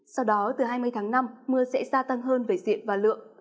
sau đó từ hai mươi tháng năm mưa sẽ gia tăng hơn về diện và lượng